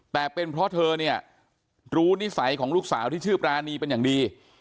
แต่เป็นเพราะเธอเนี่ยรู้นิสัยของลูกสาวที่ชื่อปรานีเป็นอย่างดี